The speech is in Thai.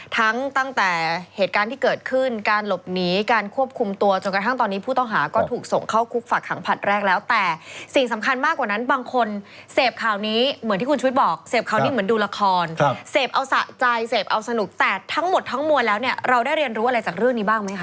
ตั้งแต่เหตุการณ์ที่เกิดขึ้นการหลบหนีการควบคุมตัวจนกระทั่งตอนนี้ผู้ต้องหาก็ถูกส่งเข้าคุกฝากขังผลัดแรกแล้วแต่สิ่งสำคัญมากกว่านั้นบางคนเสพข่าวนี้เหมือนที่คุณชุวิตบอกเสพข่าวนี้เหมือนดูละครเสพเอาสะใจเสพเอาสนุกแต่ทั้งหมดทั้งมวลแล้วเนี่ยเราได้เรียนรู้อะไรจากเรื่องนี้บ้างไหมคะ